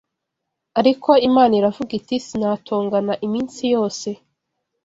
Ariko Imana iravuga iti: Sinatongana iminsi yose